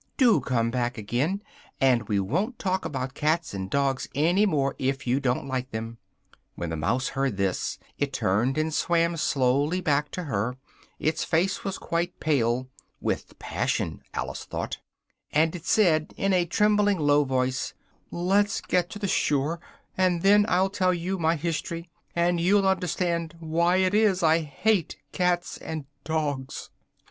Do come back again, and we won't talk about cats and dogs any more, if you don't like them!" When the mouse heard this, it turned and swam slowly back to her: its face was quite pale, (with passion, Alice thought,) and it said in a trembling low voice "let's get to the shore, and then I'll tell you my history, and you'll understand why it is I hate cats and dogs."